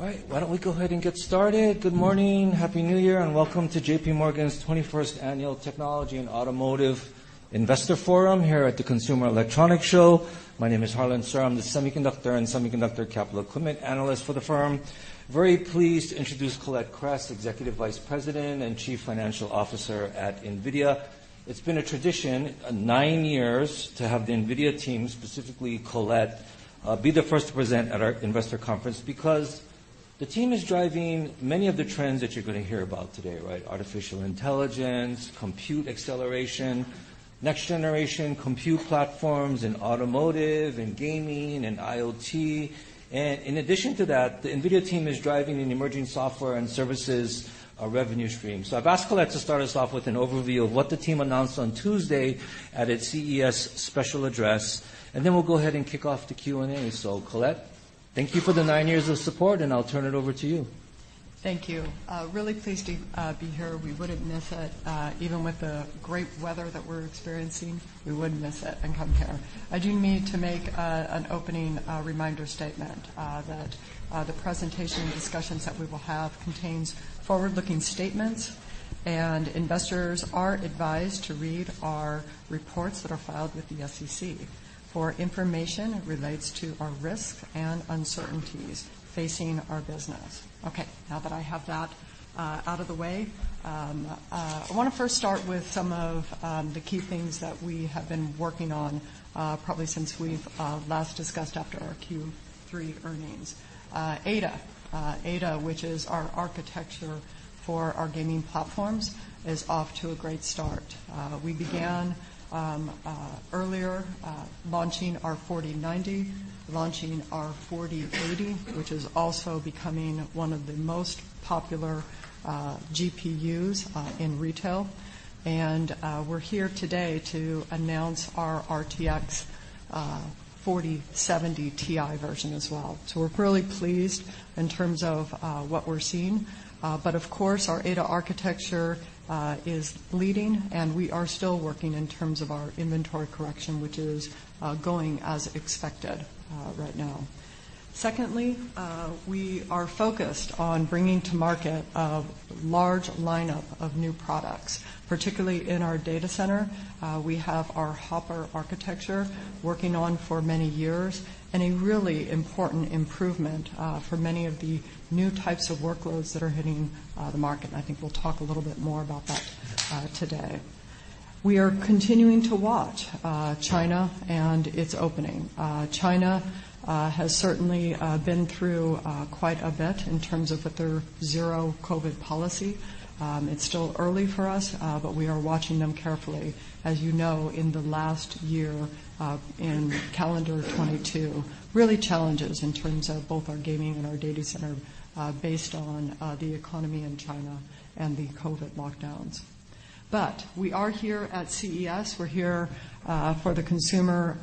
All right. Why don't we go ahead and get started? Good morning, Happy New Year, and welcome to JPMorgan's 21st Annual Technology and Automotive Investor Forum here at the Consumer Electronics Show. My name is Harlan Sur. I'm the semiconductor and semiconductor capital equipment analyst for the firm. Very pleased to introduce Colette Kress, Executive Vice President and Chief Financial Officer at NVIDIA. It's been a tradition, nine years to have the NVIDIA team, specifically Colette, be the first to present at our investor conference because the team is driving many of the trends that you're gonna hear about today, right? Artificial intelligence, compute acceleration, next-generation compute platforms in automotive and gaming and IoT. In addition to that, the NVIDIA team is driving an emerging software and services revenue stream. I've asked Colette to start us off with an overview of what the team announced on Tuesday at its CES special address, and then we'll go ahead and kick off the Q&A. Colette, thank you for the nine years of support, and I'll turn it over to you. Thank you. Really pleased to be here. We wouldn't miss it. Even with the great weather that we're experiencing, we wouldn't miss it and come here. I do need to make an opening reminder statement that the presentation and discussions that we will have contains forward-looking statements. Investors are advised to read our reports that are filed with the SEC for information that relates to our risks and uncertainties facing our business. Okay, now that I have that out of the way, I wanna first start with some of the key things that we have been working on, probably since we've last discussed after our Q3 earnings. Ada. Ada, which is our architecture for our gaming platforms, is off to a great start. We began earlier launching our 4090, launching our 4080, which is also becoming one of the most popular GPUs in retail. We're here today to announce our RTX 4070 Ti version as well. We're really pleased in terms of what we're seeing. Of course, our Ada architecture is leading, and we are still working in terms of our inventory correction, which is going as expected right now. Secondly, we are focused on bringing to market a large lineup of new products, particularly in our data center. We have our Hopper architecture working on for many years and a really important improvement for many of the new types of workloads that are hitting the market. I think we'll talk a little bit more about that today. We are continuing to watch China and its opening. China has certainly been through quite a bit in terms of with their zero COVID policy. It's still early for us, but we are watching them carefully. As you know, in the last year, in calendar 2022, really challenges in terms of both our gaming and our data center, based on the economy in China and the COVID lockdowns. We are here at CES. We're here for the consumer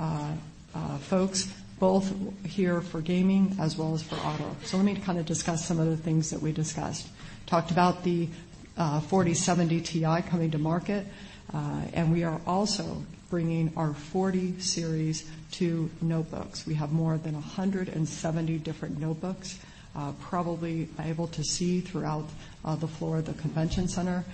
folks, both here for gaming as well as for auto. Let me kinda discuss some of the things that we discussed. Talked about the 4070 Ti coming to market, and we are also bringing our 40 series to notebooks. We have more than 170 different notebooks, probably able to see throughout the floor of the convention center.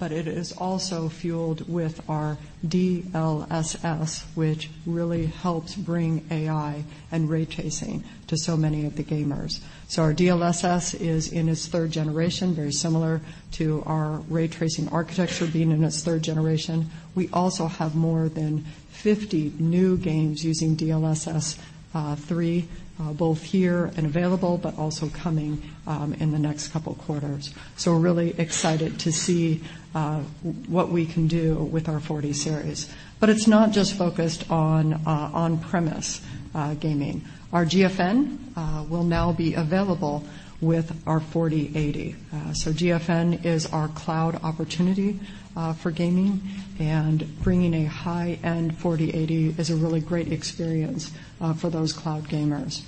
It is also fueled with our DLSS, which really helps bring AI and ray tracing to so many of the gamers. Our DLSS is in its 3rd generation, very similar to our ray tracing architecture being in its 3rd generation. We also have more than 50 new games using DLSS 3, both here and available, but also coming in the next couple quarters. We're really excited to see what we can do with our 40 series. It's not just focused on on-premise gaming. Our GFN will now be available with our 4080. GFN is our cloud opportunity for gaming and bringing a high-end 4080 is a really great experience for those cloud gamers.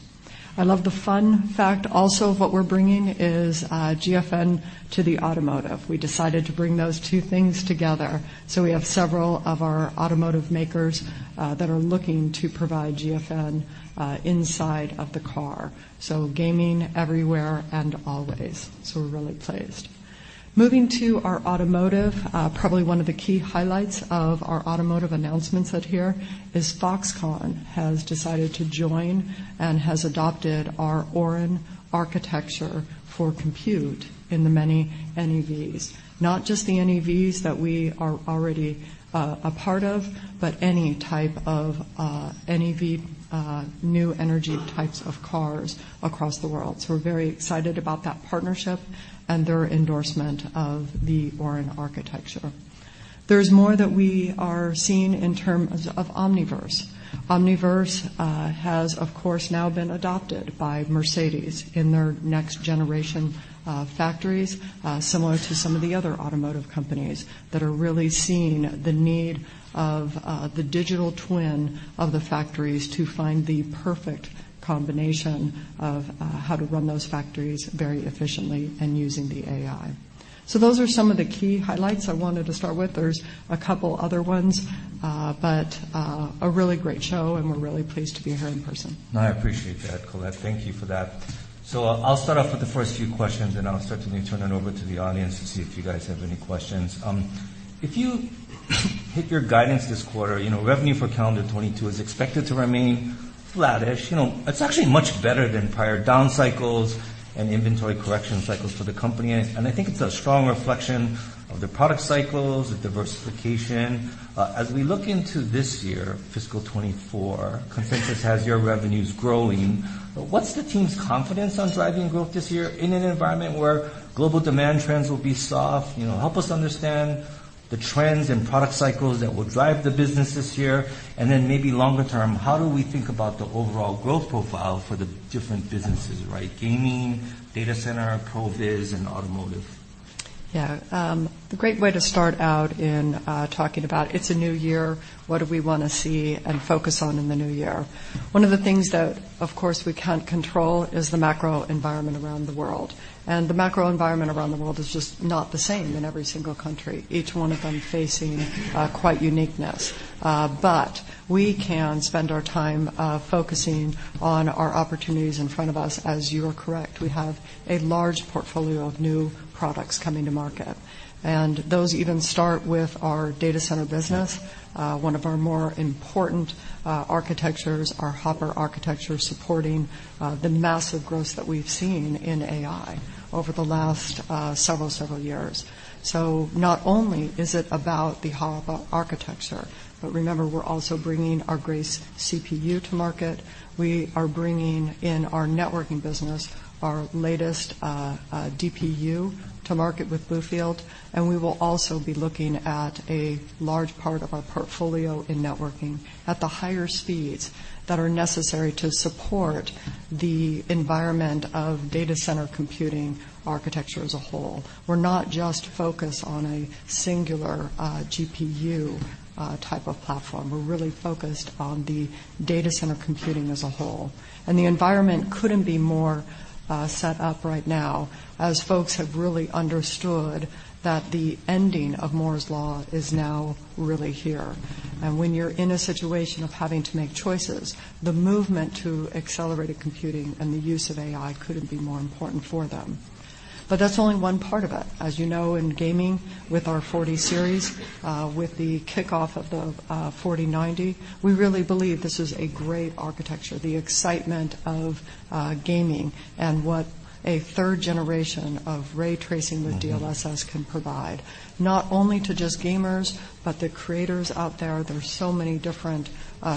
I love the fun fact also of what we're bringing is GFN to the automotive. We decided to bring those two things together. We have several of our automotive makers that are looking to provide GFN inside of the car. Gaming everywhere and always. We're really pleased. Moving to our automotive, probably one of the key highlights of our automotive announcements out here is Foxconn has decided to join and has adopted our Orin architecture for compute in the many NEVs. Not just the NEVs that we are already a part of, but any type of NEV, new energy types of cars across the world. We're very excited about that partnership and their endorsement of the Orin architecture. There's more that we are seeing in terms of Omniverse. Omniverse has of course now been adopted by Mercedes in their next-generation factories, similar to some of the other automotive companies that are really seeing the need of the digital twin of the factories to find the perfect combination of how to run those factories very efficiently and using the AI. Those are some of the key highlights I wanted to start with. There's a couple other ones, but a really great show, and we're really pleased to be here in person. I appreciate that, Colette. Thank you for that. I'll start off with the first few questions, and I'll certainly turn it over to the audience to see if you guys have any questions. If you hit your guidance this quarter, you know, revenue for calendar 2022 is expected to remain flattish. You know, that's actually much better than prior down cycles and inventory correction cycles for the company, and I think it's a strong reflection of the product cycles, the diversification. As we look into this year, fiscal 2024, consensus has your revenues growing. What's the team's confidence on driving growth this year in an environment where global demand trends will be soft? You know, help us understand the trends and product cycles that will drive the business this year. Maybe longer term, how do we think about the overall growth profile for the different businesses, right? Gaming, data center, Professional Visualization, and automotive. Yeah. A great way to start out in talking about it's a new year, what do we wanna see and focus on in the new year. One of the things that, of course, we can't control is the macro environment around the world, and the macro environment around the world is just not the same in every single country, each one of them facing quite uniqueness. We can spend our time focusing on our opportunities in front of us, as you're correct. We have a large portfolio of new products coming to market. Those even start with our data center business, one of our more important architectures, our Hopper architecture, supporting the massive growth that we've seen in AI over the last several years. Not only is it about the Hopper architecture, but remember, we're also bringing our Grace CPU to market. We are bringing in our networking business our latest DPU to market with BlueField, and we will also be looking at a large part of our portfolio in networking at the higher speeds that are necessary to support the environment of data center computing architecture as a whole. We're not just focused on a singular GPU type of platform. We're really focused on the data center computing as a whole. The environment couldn't be more set up right now as folks have really understood that the ending of Moore's Law is now really here. When you're in a situation of having to make choices, the movement to accelerated computing and the use of AI couldn't be more important for them. That's only one part of it. As you know, in gaming with our 40 series, with the kickoff of the 4090, we really believe this is a great architecture, the excitement of gaming and what a third generation of ray tracing with DLSS can provide, not only to just gamers, but the creators out there. There are so many different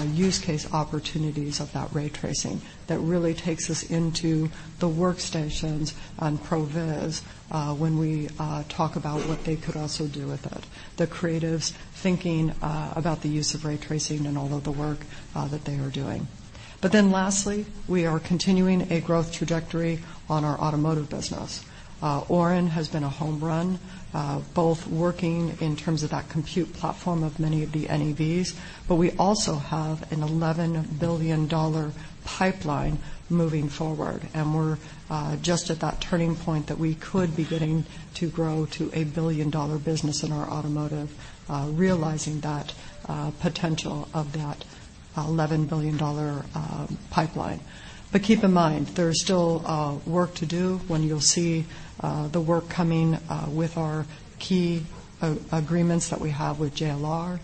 use case opportunities of that ray tracing that really takes us into the workstations on Professional Visualization, when we talk about what they could also do with it. The creatives thinking about the use of ray tracing and all of the work that they are doing. Lastly, we are continuing a growth trajectory on our automotive business. Orin has been a whole run, both working in terms of that compute platform of many of the NEVs. We also have an $11 billion pipeline moving forward, and we are just at that turning point that we could be getting to grow to a billion-dollar business in our automotive, realizing that potential of that $11 billion pipeline. But keep in mind, there is still work to do. You will see the work coming with our key agreements that we have with JLR,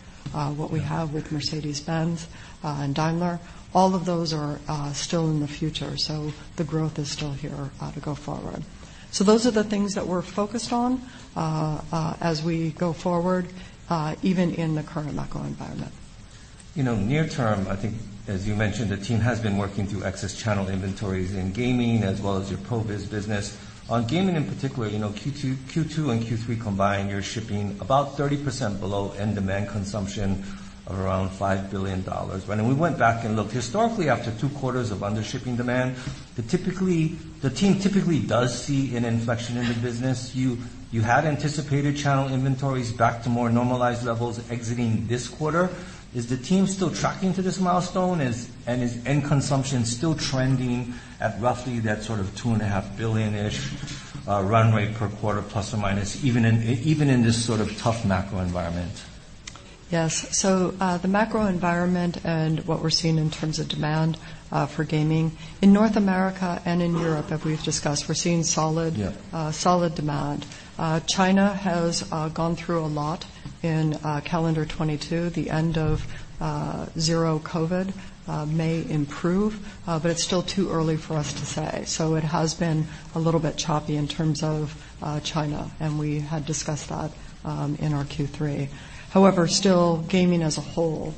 what we have with Mercedes-Benz and Daimler. All of those are still in the future. So the growth is still here to go forward. Those are the things that we are focused on as we go forward, even in the current macro environment You know, near term, I think as you mentioned, the team has been working through excess channel inventories in gaming as well as your Professional Visualization business. On gaming in particular, you know, Q2 and Q3 combined, you're shipping about 30% below end demand consumption of around $5 billion. When we went back and looked historically after two quarters of undershipping demand, the team typically does see an inflection in the business. You had anticipated channel inventories back to more normalized levels exiting this quarter. Is the team still tracking to this milestone? Is end consumption still trending at roughly that sort of $2.5 billion-ish run rate per quarter plus or minus even in, even in this sort of tough macro environment? Yes. The macro environment and what we're seeing in terms of demand for gaming in North America and in Europe, as we've discussed, we're seeing solid-. Yeah. solid demand. China has gone through a lot in calendar 2022. The end of zero COVID may improve, but it's still too early for us to say. It has been a little bit choppy in terms of China, and we had discussed that in our Q3. Still, gaming as a whole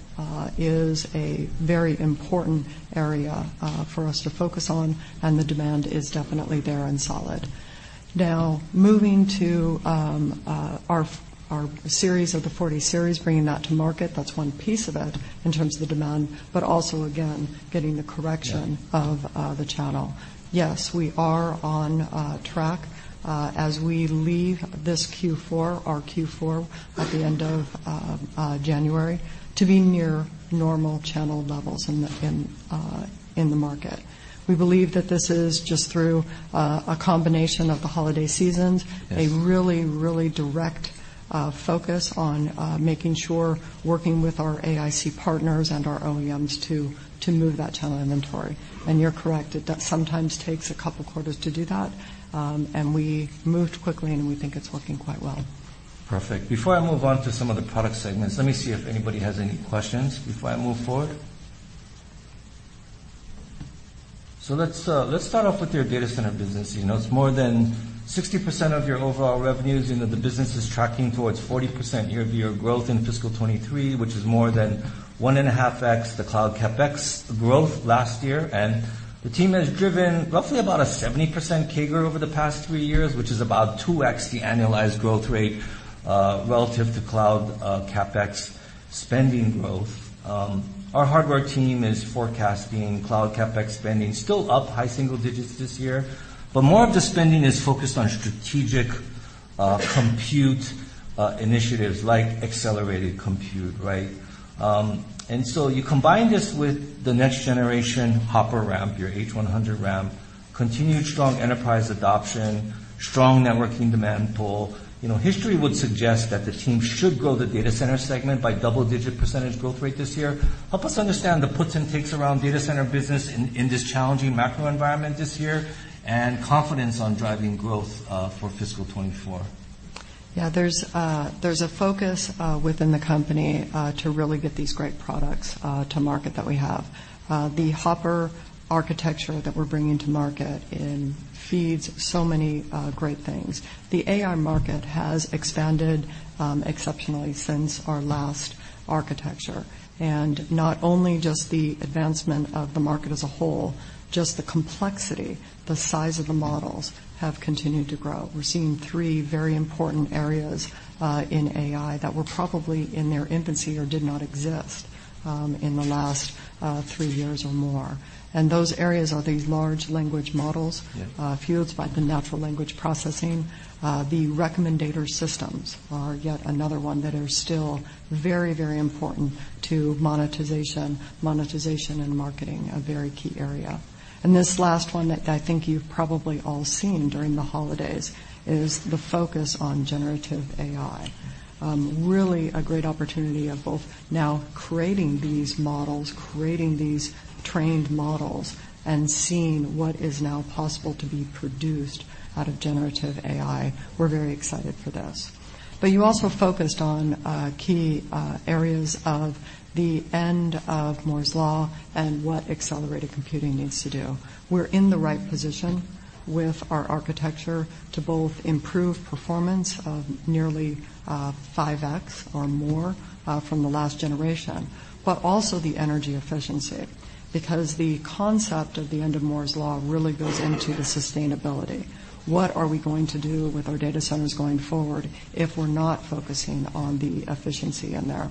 is a very important area for us to focus on, and the demand is definitely there and solid. Moving to our 40 series, bringing that to market, that's one piece of it. In terms of the demand, but also again, getting the correction- Yeah. -of the channel. Yes, we are on track as we leave this Q4, our Q4 at the end of January, to be near normal channel levels in the market. We believe that this is just through a combination of the holiday seasons. Yes. A really direct focus on making sure working with our AIC partners and our OEMs to move that channel inventory. You're correct, it does sometimes takes a couple quarters to do that. We moved quickly, and we think it's working quite well. Perfect. Before I move on to some of the product segments, let me see if anybody has any questions before I move forward. Let's start off with your data center business. You know, it's more than 60% of your overall revenues. You know, the business is tracking towards 40% year-over-year growth in fiscal 2023, which is more than 1.5x the cloud CapEx growth last year, and the team has driven roughly about a 70% CAGR over the past three years, which is about 2x the annualized growth rate relative to cloud CapEx spending growth. Our hardware team is forecasting cloud CapEx spending still up high single digits this year, but more of the spending is focused on strategic compute initiatives like accelerated compute, right? You combine this with the next generation Hopper ramp, your H100 ramp, continued strong enterprise adoption, strong networking demand pull. You know, history would suggest that the team should grow the data center segment by double-digit % growth rate this year. Help us understand the puts and takes around data center business in this challenging macro environment this year and confidence on driving growth for fiscal 2024? Yeah. There's a focus within the company to really get these great products to market that we have. The Hopper architecture that we're bringing to market it feeds so many great things. The AI market has expanded exceptionally since our last architecture, and not only just the advancement of the market as a whole, just the complexity, the size of the models have continued to grow. We're seeing three very important areas in AI that were probably in their infancy or did not exist in the last three years or more, and those areas are these large language models- Yeah. fueled by the natural language processing. The recommender systems are yet another one that are still very, very important to monetization. Monetization and marketing, a very key area. This last one that I think you've probably all seen during the holidays is the focus on generative AI. Really a great opportunity of both now creating these models, creating these trained models, and seeing what is now possible to be produced out of generative AI. We're very excited for this. You also focused on key areas of the end of Moore's Law and what accelerated computing needs to do. We're in the right position with our architecture to both improve performance of nearly 5x or more from the last generation, but also the energy efficiency, because the concept of the end of Moore's Law really goes into the sustainability. What are we going to do with our data centers going forward if we're not focusing on the efficiency in there?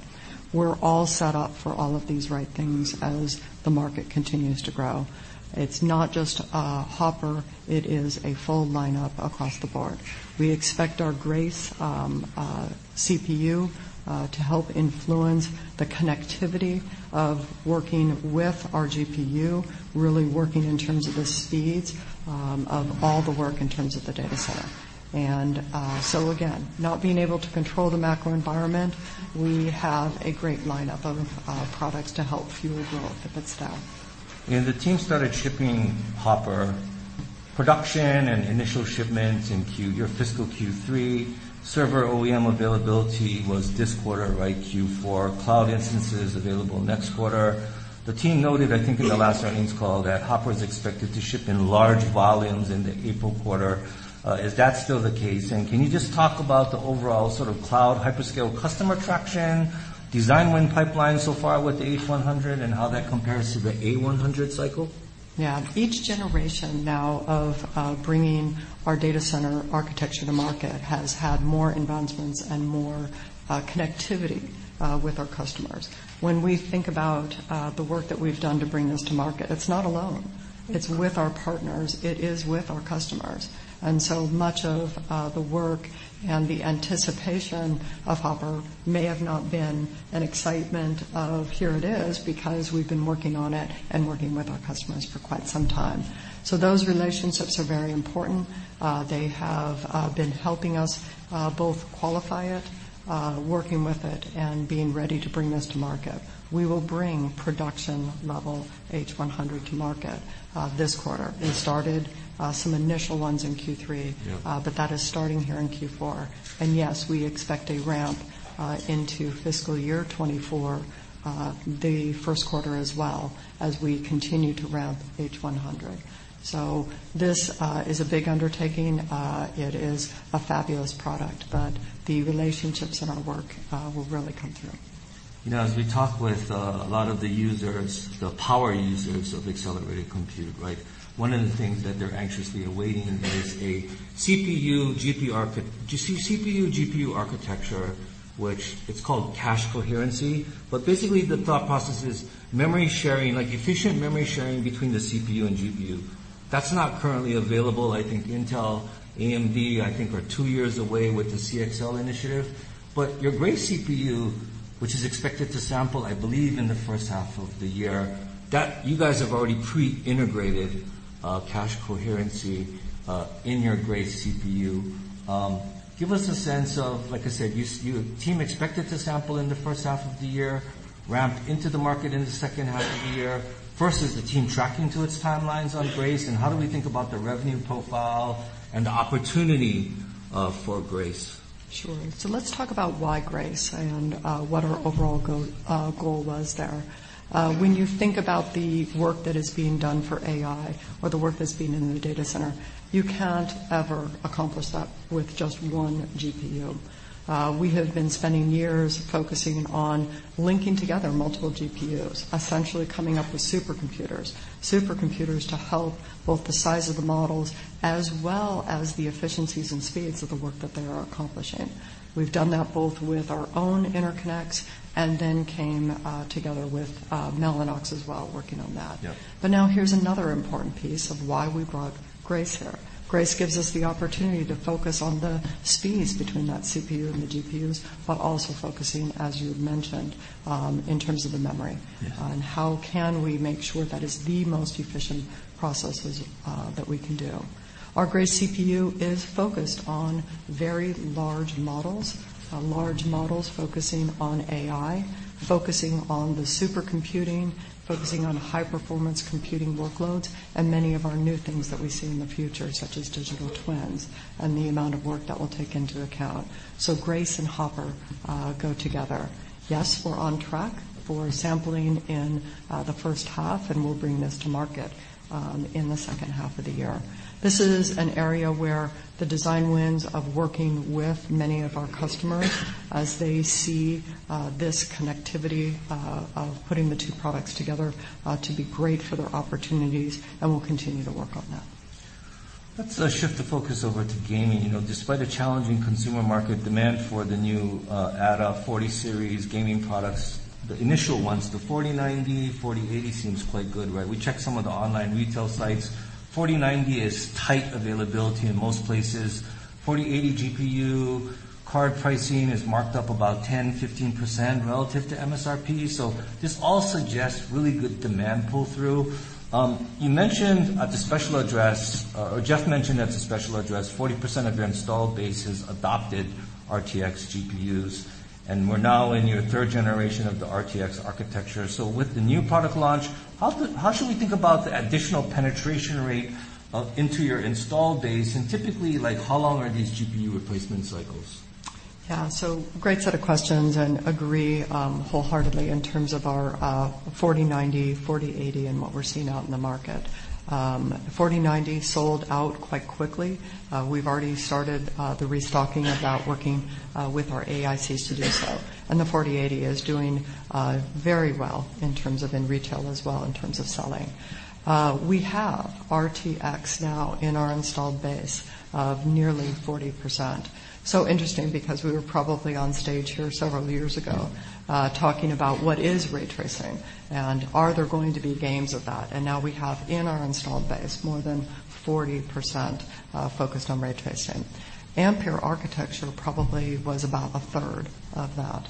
We're all set up for all of these right things as the market continues to grow. It's not just Hopper, it is a full lineup across the board. We expect our Grace CPU to help influence the connectivity of working with our GPU, really working in terms of the speeds of all the work in terms of the data center. Again, not being able to control the macro environment, we have a great lineup of products to help fuel growth if it's there. The team started shipping Hopper production and initial shipments in Q-- your fiscal Q3. Server OEM availability was this quarter, right, Q4. Cloud instances available next quarter. The team noted, I think, in the last earnings call that Hopper is expected to ship in large volumes in the April quarter. Is that still the case? Can you just talk about the overall sort of cloud hyperscale customer traction, design win pipeline so far with the H100 and how that compares to the A100 cycle? Yeah. Each generation now of bringing our data center architecture to market has had more advancements and more connectivity with our customers. When we think about the work that we've done to bring this to market, it's not alone. It's with our partners, it is with our customers. So much of the work and the anticipation of Hopper may have not been an excitement of, "Here it is," because we've been working on it and working with our customers for quite some time. Those relationships are very important. They have been helping us both qualify it, working with it and being ready to bring this to market. We will bring production level H100 to market this quarter. We started some initial ones in Q3. Yeah. That is starting here in Q4. Yes, we expect a ramp into fiscal year 2024, the first quarter as well as we continue to ramp H100. This is a big undertaking. It is a fabulous product, but the relationships and our work will really come through. You know, as we talk with, a lot of the users, the power users of accelerated compute, right? One of the things that they're anxiously awaiting is a CPU, GPU architecture, which it's called cache coherency. Basically, the thought process is memory sharing, like efficient memory sharing between the CPU and GPU. That's not currently available. I think Intel, AMD are two years away with the CXL initiative. Your Grace CPU, which is expected to sample, I believe, in the first half of the year, that you guys have already pre-integrated, cache coherency, in your Grace CPU. Give us a sense of like I said, you team expected to sample in the first half of the year, ramp into the market in the second half of the year. Is the team tracking to its timelines on Grace, and how do we think about the revenue profile and the opportunity for Grace? Sure. Let's talk about why Grace and what our overall goal was there. When you think about the work that is being done for AI or the work that's being in the data center, you can't ever accomplish that with just one GPU. We have been spending years focusing on linking together multiple GPUs, essentially coming up with supercomputers. Supercomputers to help both the size of the models as well as the efficiencies and speeds of the work that they are accomplishing. We've done that both with our own interconnects and then came together with Mellanox as well, working on that. Yeah. Now here's another important piece of why we brought Grace here. Grace gives us the opportunity to focus on the speeds between that CPU and the GPUs, but also focusing, as you had mentioned, in terms of the memory. Yeah. On how can we make sure that is the most efficient processes that we can do. Our Grace CPU is focused on very large models. Large models focusing on AI, focusing on the supercomputing, focusing on high-performance computing workloads, and many of our new things that we see in the future, such as digital twins, and the amount of work that will take into account. Grace and Hopper go together. Yes, we're on track for sampling in the first half, and we'll bring this to market in the second half of the year. This is an area where the design wins of working with many of our customers as they see this connectivity of putting the two products together to be great for their opportunities, and we'll continue to work on that. Let's shift the focus over to gaming. You know, despite a challenging consumer market demand for the new Ada 40 series gaming products, the initial ones, the 4090, 4080 seems quite good, right? We checked some of the online retail sites. 4090 is tight availability in most places. 4080 GPU card pricing is marked up about 10%-15% relative to MSRP. This all suggests really good demand pull-through. You mentioned at the special address, or Jeff mentioned at the special address, 40% of your installed base has adopted RTX GPUs, and we're now in your third generation of the RTX architecture. With the new product launch, how should we think about the additional penetration rate into your installed base? Typically, like, how long are these GPU replacement cycles? Great set of questions, agree wholeheartedly in terms of our 4090, 4080 and what we're seeing out in the market. 4090 sold out quite quickly. We've already started the restocking of that working with our AICs to do so. The 4080 is doing very well in terms of in retail as well in terms of selling. We have RTX now in our installed base of nearly 40%. Interesting because we were probably on stage here several years ago, talking about what is ray tracing, and are there going to be games with that? Now we have in our installed base more than 40% focused on ray tracing. Ampere architecture probably was about a third of that.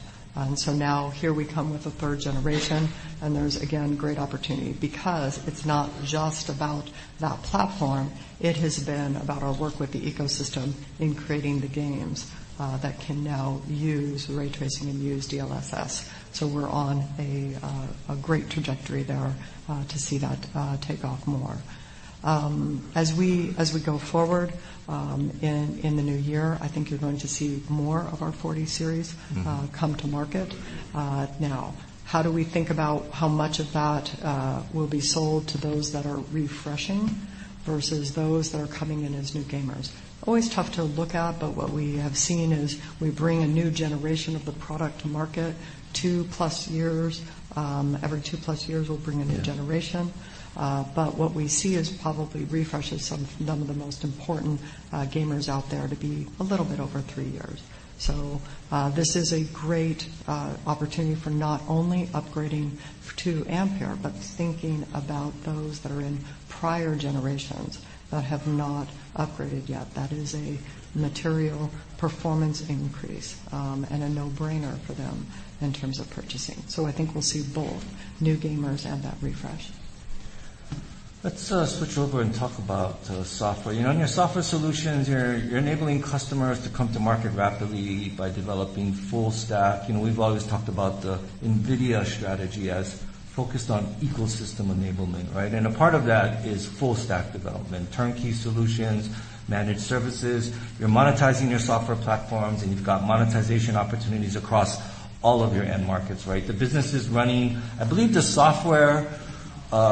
Now here we come with the third generation, and there's again great opportunity because it's not just about that platform, it has been about our work with the ecosystem in creating the games that can now use ray tracing and use DLSS. We're on a great trajectory there to see that take off more. As we go forward in the new year, I think you're going to see more of our 40 Series. Mm-hmm. come to market. How do we think about how much of that will be sold to those that are refreshing versus those that are coming in as new gamers? Always tough to look at, what we have seen is we bring a new generation of the product to market 2+ years, every 2+ years we'll bring a new generation. What we see is probably refreshes some of the most important gamers out there to be a little bit over three years. This is a great opportunity for not only upgrading to Ampere, but thinking about those that are in prior generations that have not upgraded yet. That is a material performance increase, and a no-brainer for them in terms of purchasing. I think we'll see both new gamers and that refresh. Let's switch over and talk about software. You know, in your software solutions, you're enabling customers to come to market rapidly by developing full stack. You know, we've always talked about the NVIDIA strategy as focused on ecosystem enablement, right? A part of that is full stack development, turnkey solutions, managed services. You're monetizing your software platforms, and you've got monetization opportunities across all of your end markets, right? The business is running. I believe the software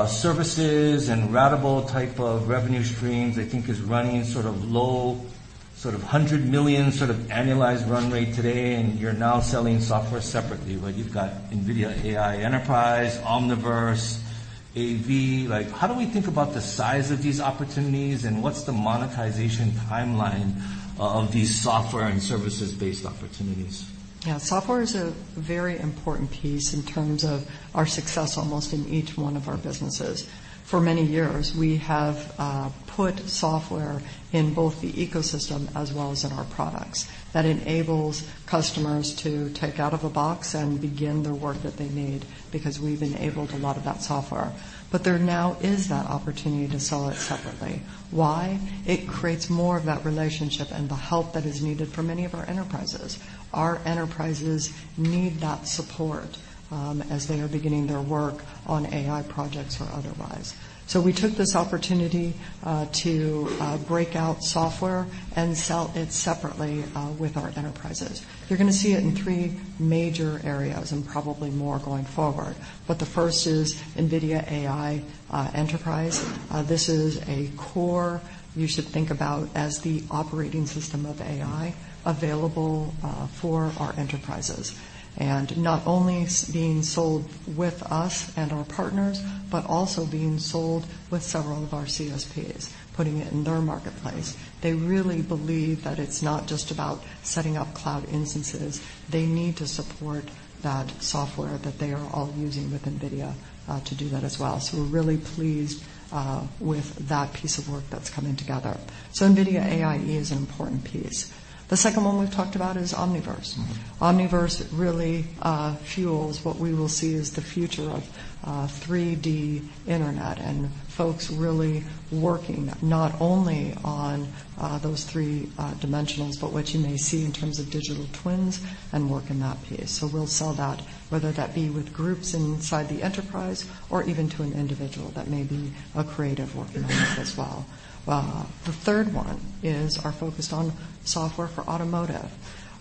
services and ratable type of revenue streams is running low $100 million annualized run rate today, and you're now selling software separately, right? You've got NVIDIA AI Enterprise, Omniverse-AV, like how do we think about the size of these opportunities and what's the monetization timeline of these software and services-based opportunities? Yeah. Software is a very important piece in terms of our success almost in each one of our businesses. For many years, we have put software in both the ecosystem as well as in our products that enables customers to take out of a box and begin their work that they need, because we've enabled a lot of that software. There now is that opportunity to sell it separately. Why? It creates more of that relationship and the help that is needed for many of our enterprises. Our enterprises need that support as they are beginning their work on AI projects or otherwise. We took this opportunity to break out software and sell it separately with our enterprises. You're gonna see it in three major areas and probably more going forward. The first is NVIDIA AI Enterprise. This is a core you should think about as the operating system of AI available for our enterprises. Not only being sold with us and our partners, but also being sold with several of our CSPs, putting it in their marketplace. They really believe that it's not just about setting up cloud instances, they need to support that software that they are all using with NVIDIA to do that as well. We're really pleased with that piece of work that's coming together. NVIDIA AIE is an important piece. The second one we've talked about is Omniverse. Omniverse really fuels what we will see as the future of 3D internet and folks really working not only on those three dimensions, but what you may see in terms of digital twins and work in that piece. We'll sell that, whether that be with groups inside the enterprise or even to an individual that may be a creative working on this as well. The third one is our focus on software for automotive.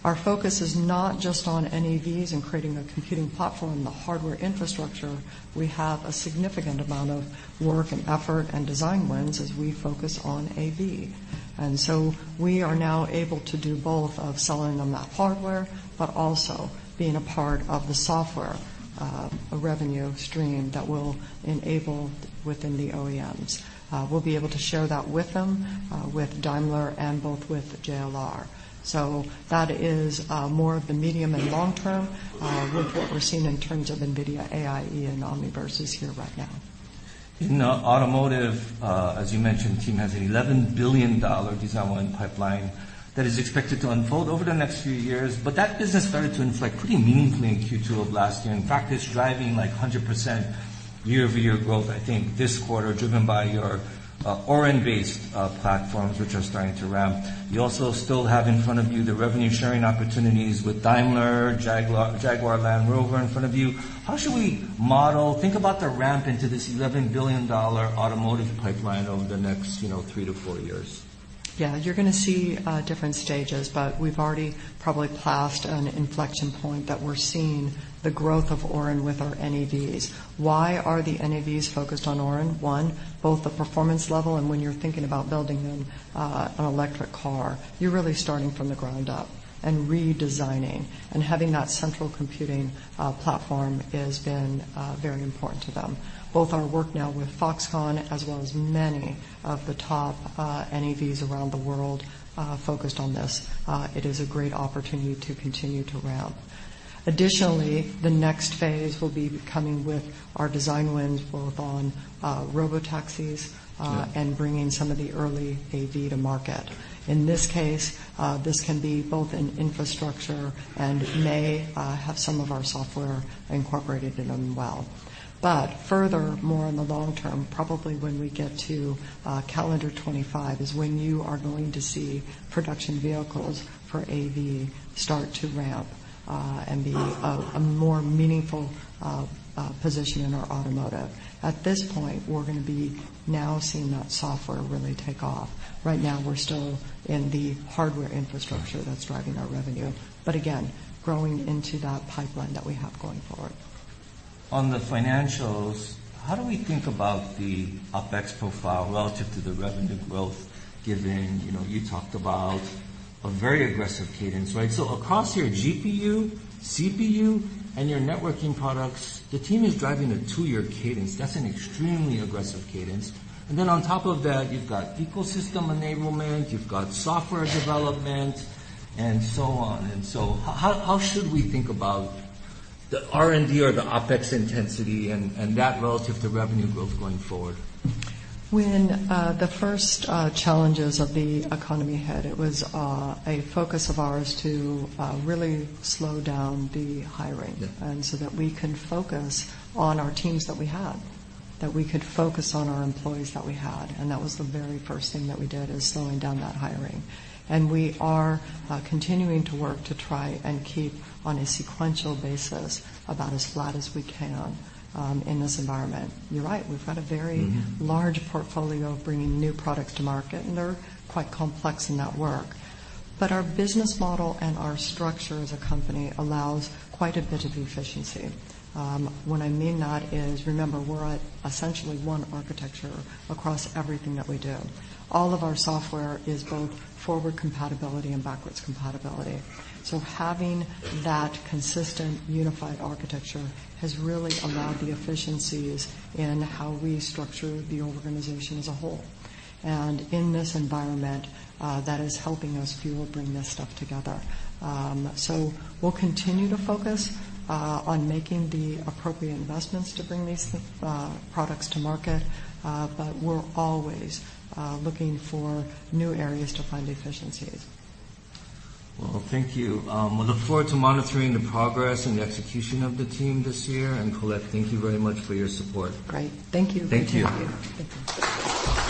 Our focus is not just on NEVs and creating a computing platform and the hardware infrastructure. We have a significant amount of work and effort and design wins as we focus on AV. We are now able to do both of selling them that hardware, but also being a part of the software, revenue stream that we'll enable within the OEMs. We'll be able to share that with them, with Daimler and both with JLR. That is, more of the medium and long term, with what we're seeing in terms of NVIDIA AIE and Omniverse is here right now. In automotive, as you mentioned, the team has an $11 billion design win pipeline that is expected to unfold over the next few years. That business started to inflect pretty meaningfully in Q2 of last year. In fact, it's driving like 100% year-over-year growth, I think, this quarter driven by your Orin-based platforms which are starting to ramp. You also still have in front of you the revenue-sharing opportunities with Daimler, Jaguar Land Rover in front of you. How should we think about the ramp into this $11 billion automotive pipeline over the next, you know, three to four years? Yeah. You're gonna see different stages, but we've already probably passed an inflection point that we're seeing the growth of Orin with our NEVs. Why are the NEVs focused on Orin? One, both the performance level and when you're thinking about building an electric car, you're really starting from the ground up and redesigning and having that central computing platform has been very important to them. Both our work now with Foxconn as well as many of the top NEVs around the world focused on this. It is a great opportunity to continue to ramp. Additionally, the next phase will be coming with our design wins both on robotaxis and bringing some of the early AV to market. In this case, this can be both in infrastructure and may have some of our software incorporated in them well. Furthermore, in the long term, probably when we get to calendar 2025, is when you are going to see production vehicles for AV start to ramp and be a more meaningful position in our automotive. At this point, we're gonna be now seeing that software really take off. Right now, we're still in the hardware infrastructure that's driving our revenue, but again, growing into that pipeline that we have going forward. On the financials, how do we think about the OpEx profile relative to the revenue growth given, you know, you talked about a very aggressive cadence, right? Across your GPU, CPU, and your networking products, the team is driving a 2-year cadence. That's an extremely aggressive cadence. On top of that, you've got ecosystem enablement, you've got software development, and so on. How should we think about the R&D or the OpEx intensity and that relative to revenue growth going forward? When the first challenges of the economy hit, it was a focus of ours to really slow down the hiring. Yeah. that we can focus on our teams that we had, that we could focus on our employees that we had, and that was the very first thing that we did, is slowing down that hiring. We are continuing to work to try and keep on a sequential basis about as flat as we can in this environment. You're right. We've got a very. Mm-hmm. large portfolio of bringing new products to market, and they're quite complex in that work. Our business model and our structure as a company allows quite a bit of efficiency. When I mean that is, remember, we're at essentially one architecture across everything that we do. All of our software is both forward compatibility and backwards compatibility. Having that consistent unified architecture has really allowed the efficiencies in how we structure the organization as a whole. In this environment, that is helping us fuel bring this stuff together. We'll continue to focus on making the appropriate investments to bring these products to market, but we're always looking for new areas to find efficiencies. Well, thank you. We'll look forward to monitoring the progress and the execution of the team this year. Colette, thank you very much for your support. Great. Thank you. Thank you. Thank you.